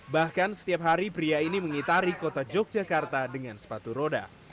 bahkan setiap hari pria ini mengitari kota yogyakarta dengan sepatu roda